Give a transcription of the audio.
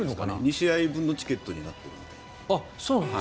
２試合分のチケットになっているみたいで。